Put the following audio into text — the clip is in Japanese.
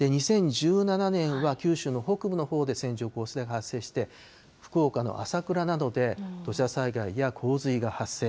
２０１７年は、九州の北部のほうで線状降水帯が発生して、福岡の朝倉などで土砂災害や洪水が発生。